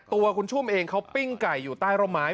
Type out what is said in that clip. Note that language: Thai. ตัวคุณชุ่มเองเขาปิ้งไก่อยู่ใต้ร่มไม้